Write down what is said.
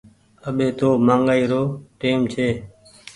اٻي تو مآگآئي رو ٽيم ڇي۔